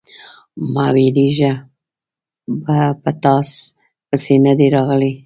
_مه وېرېږه، په تاپسې نه دي راغلی.